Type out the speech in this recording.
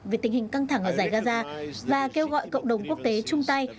về tình hình căng thẳng ở giải gaza và kêu gọi cộng đồng quốc tế chung tay